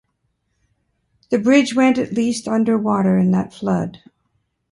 The bridge went at least under water in that flood.